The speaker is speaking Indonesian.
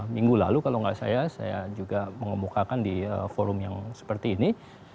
minggu lalu kalau nggak saya saya juga mengemukakan di forum yang seperti ini